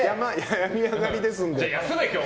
病み上がりですんで。